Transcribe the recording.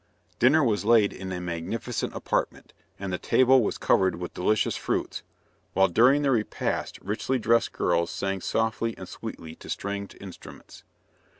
Dinner was laid in a magnificent apartment, and the table was covered with delicious fruits; while during the repast richly dressed girls sang softly and sweetly to stringed instruments.